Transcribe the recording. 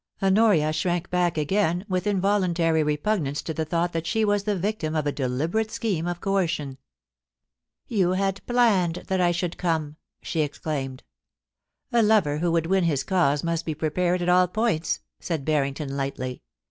Honoria shrank back ^;ain with involuntary repugnance to the thought that she was the victim of a deliberate scheme of coercion. 348 POLICY AND PASSION. * You had planned that I should come/ she exclaimed * A lover who would win his cause must be prepared at all points,' said Barrington, lightly.